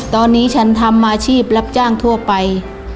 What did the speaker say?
ตอนนี้ฉันทำอาชีพรับจ้างทั่วไป